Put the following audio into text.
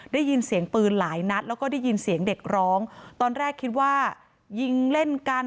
ได้ยินเสียงปืนหลายนัดแล้วก็ได้ยินเสียงเด็กร้องตอนแรกคิดว่ายิงเล่นกัน